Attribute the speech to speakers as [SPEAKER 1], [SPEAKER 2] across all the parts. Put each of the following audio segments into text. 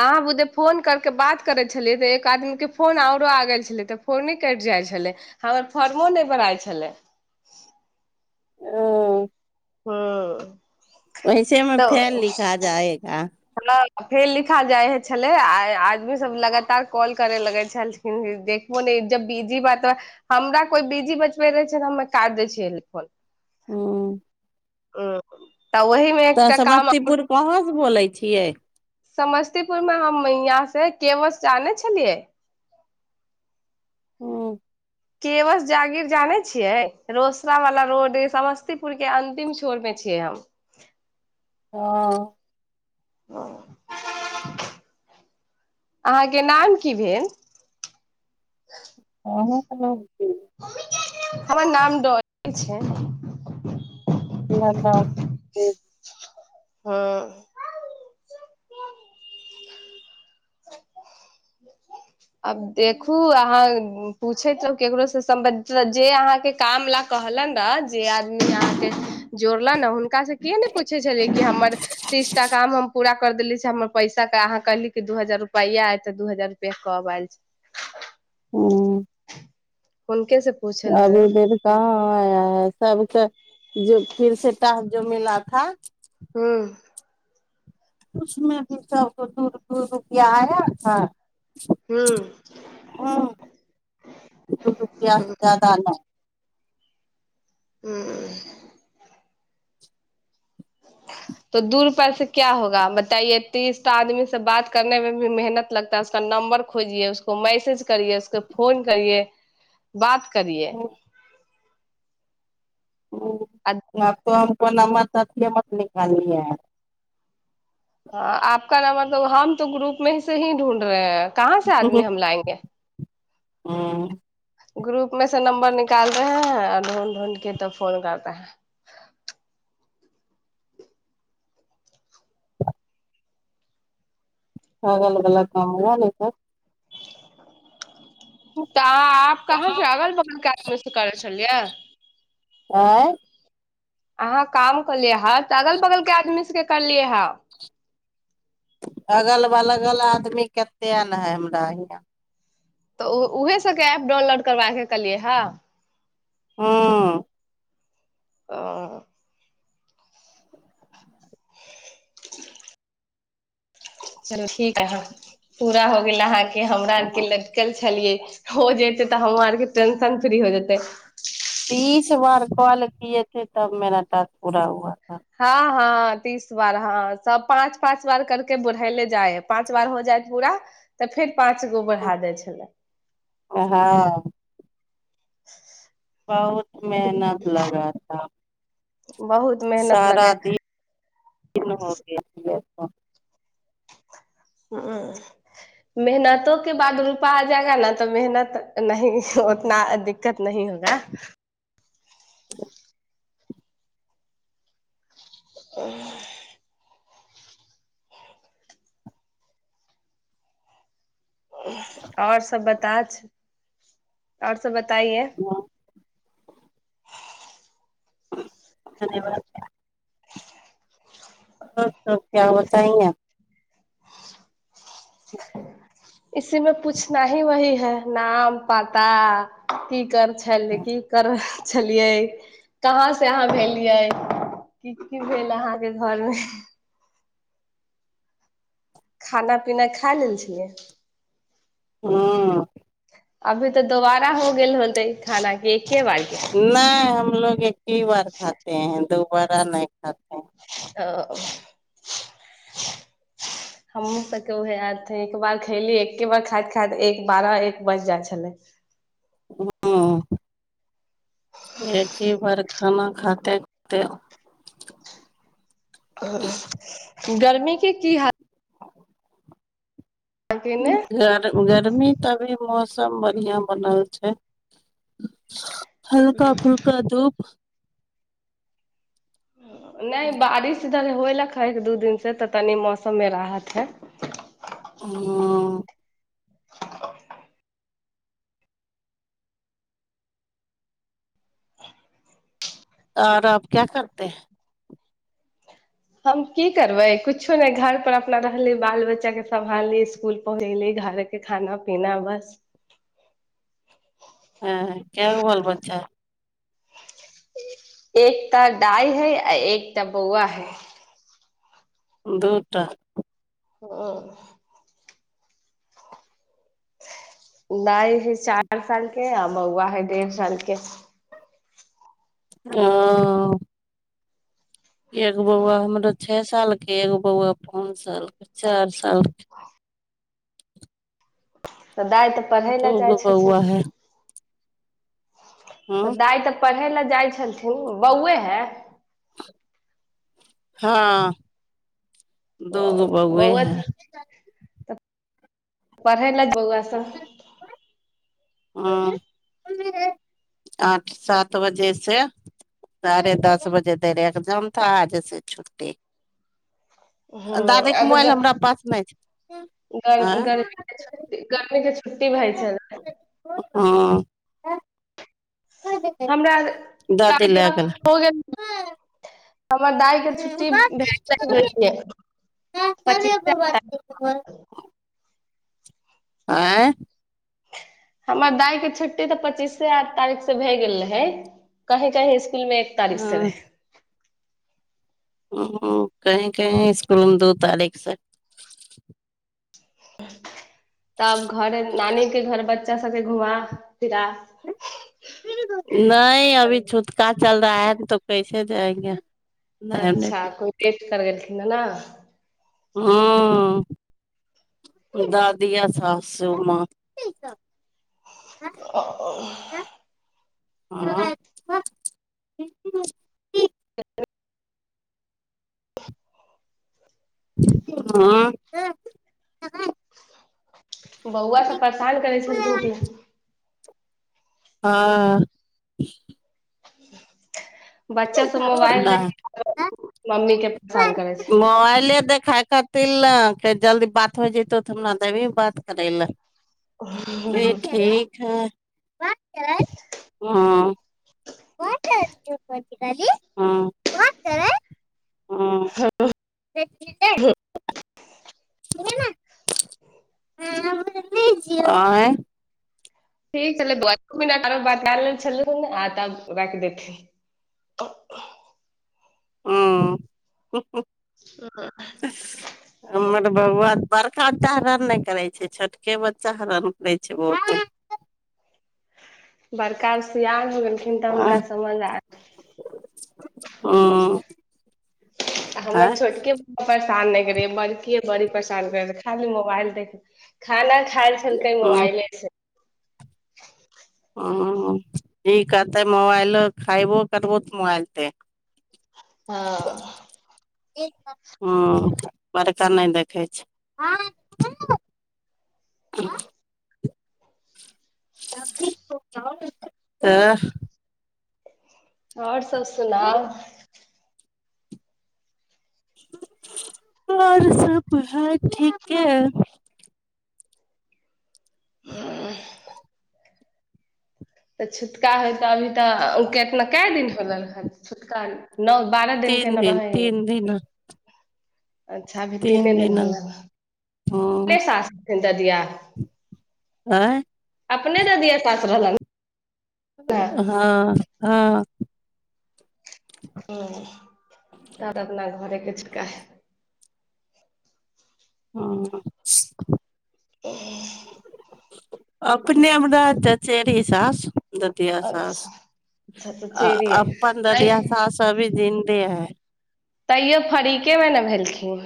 [SPEAKER 1] अहाँ उजे फोन करके बात करै छलियै तऽ एक आदमी के फोन आओरो आ गेल छलै तऽ फोने कटि जाइ छलै हमर फॉर्मो नहि भराइ छलै
[SPEAKER 2] हँ
[SPEAKER 1] हूँ
[SPEAKER 2] वैसेमे
[SPEAKER 1] तऽ
[SPEAKER 2] फेल लिखा जाहै का
[SPEAKER 1] हँ फेर लिखल जाइ ह छलै आ आदमीसभ लगातार कॉल करय लगै छलखिन देखबो नहि जब बिजी बात हमरा कोइ बिजी बतबै रहै छै तऽ हमे काट दै छियै फोन
[SPEAKER 2] हूँ
[SPEAKER 1] हँ
[SPEAKER 2] तऽ समस्तीपुर कहाँ सँ बोलै छियै
[SPEAKER 1] समस्तीपुरमे हम यहाँ से केवश जाने छलियै
[SPEAKER 2] हूँ
[SPEAKER 1] केवश जागीर जाने छियै रोसड़ा वाला रोड समस्तीपुर के अंतिम छोर मे छियै हम
[SPEAKER 2] हँ
[SPEAKER 1] अहाँके नाम की भेल
[SPEAKER 2] अहाँक नाम
[SPEAKER 1] मम्मी गे हमर नाम डॉली छै
[SPEAKER 2] नहि त [inaudible]
[SPEAKER 1] हँ आब देखू अहाँ पूछैत रहू केकरो से सम्बंधित जे अहाँके काम ला कहलन ने जे अहाँ के जोड़ल ने हुनका से कि ने पूछे छलै कि हमर तीस टा काम हम पूरा कर देले छ हमर पैसाे अहाँ कहली कि दू हजार रुपैआ आ ए त दू हजार रुपैआ कब आएल छै
[SPEAKER 2] हूँ
[SPEAKER 1] हुनके से पूछल गय
[SPEAKER 2] अभी फर कहाँ आया है सभके जो फिर सँ टास्क जो मिला था
[SPEAKER 1] हूँ
[SPEAKER 2] उसमे भी सबको दू दू रुपआ आया था
[SPEAKER 1] ह
[SPEAKER 2] हूँ दु रुपया से जााद नहि
[SPEAKER 1] ह। [unintelligible] करीए
[SPEAKER 2] हूँ नहि तऽ हम अपन नमथियमत निकाली य [inaudible]
[SPEAKER 1] ह आपका नंमबर त हम तो ग्रुप मे एसे ही ढूढ़ रहे हैं कहाँ से आदमी हम लाएंगे
[SPEAKER 2] हूँ
[SPEAKER 1] [unintelligible]
[SPEAKER 2] [unintelligible] खगल वला काम [inaudible]
[SPEAKER 1] तऽ आप कहाँ से अगल बगल के आदमी से करे छै। छललिय।
[SPEAKER 2] आँय
[SPEAKER 1] अहाँ काम कलिय। आप के अगल बगल के आदमी से कालिह [inaudible]
[SPEAKER 2] अगल बलगल आदमी कतेक हइ हमरा हियाँ
[SPEAKER 1] तऽ ओ उऊहे सभके एऐप डाउनलोड करबाके कहलियै हे।
[SPEAKER 2] हूँ
[SPEAKER 1] अ चलू ठीक ह पूरा हो गेल अहाके। कि हमरा आरके लटकल छलियै हो जेतै तऽ हम आरके टेंशन फ्री हो जेतै
[SPEAKER 2] [unintelligible]
[SPEAKER 1] हँ। हँ तीस बार हँ सब पाँच पाच बार करके बोढ़ेले जाय है पाच बार हो जायत पूरा तऽ फेर पाँच गो बरहा देय छलाह
[SPEAKER 2] हाँ
[SPEAKER 1] [unintelligible]
[SPEAKER 2] बहुत मेहनत लगा था
[SPEAKER 1] बहुत मेहनत
[SPEAKER 2] सारा
[SPEAKER 1] लगे
[SPEAKER 2] दिन दिन हो गया ओ।
[SPEAKER 1] हूँ मेहनतो के बाद रुपा आ जाएगा ने तऽ मेहनत नहि उतना दिक्कत नहीं होगा ह [inaudible] आओर सब बताछ आओर सब बता बताइए
[SPEAKER 2] धन्यवाद और सब क्या बताऐंगे
[SPEAKER 1] नाम पताा की कर छलै की कर छलिए कहा स अहान भेलियय की भेल अहां के घर में। खाना पीना खा लेल छियै।
[SPEAKER 2] हँ।
[SPEAKER 1] अभी तऽ दोबारा हो गेल होते खाना के। एके बार के
[SPEAKER 2] नहि हम। भग। की बार खाते है दो। रा नहि खात।
[SPEAKER 1] तऽ। हमहूँ सबके उहे आ हे। एक बार खयली एके बार खाइत खाइत एक बारह एक बज जाइ छलै।
[SPEAKER 2] ह एक ह बार खाना खाते खे।
[SPEAKER 1] आ। गर्मी के की हालत। अहाँके ने
[SPEAKER 2] गर गर्मी। तभी मौसम बढ़िया बनल छै। हल्का फुलका धूप।
[SPEAKER 1] नहि बारिश इधर। होयलक ह एक दू दिन से तऽ तनी मौसम मे राहत है।
[SPEAKER 2] ह।
[SPEAKER 1] ह।
[SPEAKER 2] आओर आब क्या करते है।
[SPEAKER 1] हम की करबै कछो नहि। घर पर अपना रहली बाल बच्चा के सम्भाली इसकुल पहुँचली घरके खाना पीना बस।
[SPEAKER 2] हँ क भल बच्चा।
[SPEAKER 1] एकटा डइ है आ एकटा बौआ है।
[SPEAKER 2] दूटा।
[SPEAKER 1] ओ। नहि ह चार सालके आ मौआ हइ देढ़ सालके।
[SPEAKER 2] ह। एक बौआ हमर छै। छओ साल के एगो बौआ पाँच साल के चारि साल के।
[SPEAKER 1] स दाइ तऽ
[SPEAKER 2] के
[SPEAKER 1] पढ़य लए जाइ
[SPEAKER 2] दूगो
[SPEAKER 1] छथिन।
[SPEAKER 2] बौआ है
[SPEAKER 1] तऽ
[SPEAKER 2] ह
[SPEAKER 1] दइ तऽ। पढ़ै लए जाइ छलथिन बौए है।
[SPEAKER 2] हँ। दूगो बौए
[SPEAKER 1] बौआ
[SPEAKER 2] हैं।
[SPEAKER 1] तऽ पढ़ै ल बहु सब।
[SPEAKER 2] ह आठ सात बजे से साढ़े दस बजे धर एग्जामथा आज से छुट्टी।
[SPEAKER 1] ह
[SPEAKER 2] दादी
[SPEAKER 1] आ
[SPEAKER 2] के मोबाइल
[SPEAKER 1] गर
[SPEAKER 2] हमरा पास नहि छै आँय
[SPEAKER 1] गर्मीक गर्मीक के छुट्टी भइ छल।
[SPEAKER 2] हँ।
[SPEAKER 1] [unintelligible] हमर
[SPEAKER 2] दादी लए गेल
[SPEAKER 1] दाई कें छुट्टी [inaudible] [inaudible]
[SPEAKER 2] आँय
[SPEAKER 1] हमर दाय के छुट्टी त पच्चीसे तारीख से भए गेल रहै कहीं कहीं मे एक तारीख सँ रहै
[SPEAKER 2] हूँ कहीं कहीं स्कूल मे दू तारीख सँ
[SPEAKER 1] तब घर नानी के घर बच्चा सबके घुमा फिरा
[SPEAKER 2] नै अभी छूतका चल रहा है तो कैसे देंगे [inaudible]
[SPEAKER 1] अच्छा कोई वेट करै न ना
[SPEAKER 2] हूँ दादिया सासू माँ
[SPEAKER 1] [unintelligible]
[SPEAKER 2] [inaudible] हूँ [unintelligible]
[SPEAKER 1] बौआ सब परेशान करै छलखिन कि
[SPEAKER 2] हँ
[SPEAKER 1] बच्चा सब मोबाइल देख कें
[SPEAKER 2] नहि
[SPEAKER 1] मम्मी के परेशान करै छै
[SPEAKER 2] खाय खाति नै के जल्दी बात हो जतौ त हमरा देबी बात करै लय
[SPEAKER 1] [unintelligible]
[SPEAKER 2] [unintelligible] [unintelligible] [unintelligible] [unintelligible]
[SPEAKER 1] [unintelligible]
[SPEAKER 2] हूँ हु हु हमर
[SPEAKER 1] [unintelligible]
[SPEAKER 2] बौआ त बड़का बच्चा हरान नहि करै छै छोटके बच्चा हरान करै छै बहुते
[SPEAKER 1] बड़का का सियान हो गेलखिन त हुनका समझमे आ
[SPEAKER 2] हूँ
[SPEAKER 1] हमर छोटके बड्ड परेशान नहि करै या बड़की बड़ी परेशान करै या खाली मोबाइल देख खाना खाय छै
[SPEAKER 2] हँ
[SPEAKER 1] मोबाइल सँ [inaudible]
[SPEAKER 2] हूँ ई कहतै मोबाइलो खयबो करबो त मोबाइल पे
[SPEAKER 1] हां
[SPEAKER 2] हूँ बड़का नहि देखै छै त
[SPEAKER 1] आओर सब सुनाउ
[SPEAKER 2] आर सब हइ ठीके
[SPEAKER 1] [inaudible] त छुतका मे अभी त कैए दिन भेलन हन छुतका नओ बारह दिन के
[SPEAKER 2] तीन
[SPEAKER 1] न रहै
[SPEAKER 2] तीन दिन
[SPEAKER 1] अच्छा अभी तीने दिन होलेन हन कै
[SPEAKER 2] हँ
[SPEAKER 1] साल [unintelligible]
[SPEAKER 2] आँय
[SPEAKER 1] अपने ददीेया साास रहलनि
[SPEAKER 2] हाँ हाँ
[SPEAKER 1] हँ। तब अपना [unintelligible]
[SPEAKER 2] हँ -
[SPEAKER 1] [inaudible]
[SPEAKER 2] अपने हमरा चचेरी सास दधिया सास
[SPEAKER 1] अच्छा अच्छा तऽ
[SPEAKER 2] आ
[SPEAKER 1] चेरी हइ
[SPEAKER 2] अपन
[SPEAKER 1] तै
[SPEAKER 2] ददिया सास अभी जिनदे [unintelligible]
[SPEAKER 1] तैयो फरीकेमे ने भेलखिन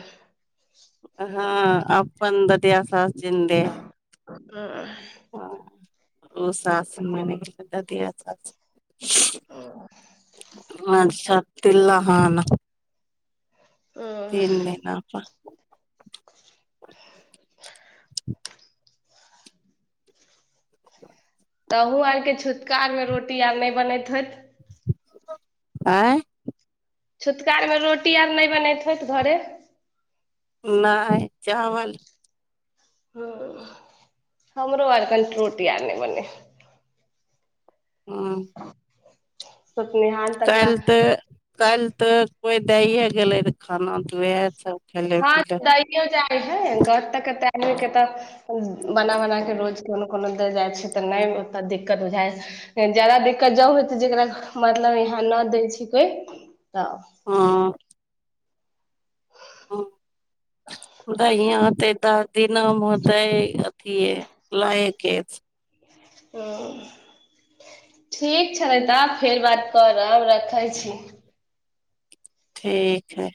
[SPEAKER 2] [inaudible] हँ आपन दादिया सास जिन्दे हइ
[SPEAKER 1] [inaudible]
[SPEAKER 2] ओ सास मरि गेलै ददिया सासु
[SPEAKER 1] [inaudible]
[SPEAKER 2] [unintelligible]
[SPEAKER 1] ओ
[SPEAKER 2] तीन दिना पर
[SPEAKER 1] त अहुँ आरके छुतका मे रोटी आर नहि बनैत होइत
[SPEAKER 2] आँय
[SPEAKER 1] छुतकारामे रोटी आर नहि बनैत होत घरे
[SPEAKER 2] नाय चावल
[SPEAKER 1] हूँ हमरो आर कनि रोटी आर नहि बने हइ
[SPEAKER 2] हूँ
[SPEAKER 1] सुपने हाल तकला
[SPEAKER 2] कालिह तऽ कोइ दैे गेलै खाना ओहा सब खेलै
[SPEAKER 1] हाँ
[SPEAKER 2] पीलै
[SPEAKER 1] दैयौ जाइ हइ केत कतेक के त बना बना क रोज कोनो कोनो दे जाइ छै त नहि ओ दिक्कत बुझा जाादा दिक्कत ज होइ जकरा मतलब यहाँ नहि दै छै कोइ तऽ
[SPEAKER 2] हँ ते दस दिनमे होतै अथ लएके
[SPEAKER 1] ठीक छलै तऽ फेर बात करब रखै छी
[SPEAKER 2] ठीक है